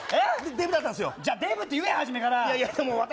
じゃあデブって言え初めから。